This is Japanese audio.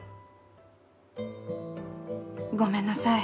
ごめんなさい。